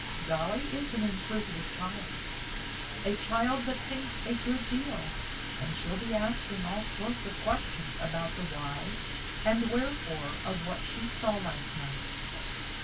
Dolly is an inquisitive child; a child that thinks a good deal, and she'll be asking all sorts of questions about the why and wherefore of what she saw last night."